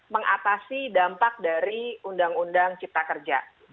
mengatasi dampak dari undang undang cipta kerja